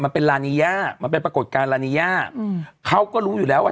มันเป็นลานีย่ามันเป็นปรากฏการณ์ลานีย่าอืมเขาก็รู้อยู่แล้วว่า